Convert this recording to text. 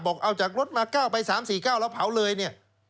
บอกเอาจากรถมา๐๙๓๕๙แล้วเผาเลย